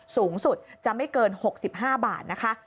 สูงสุดจะไม่เกิน๖๕บาทนะคะ